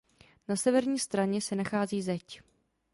Na severní straně se nachází zeď.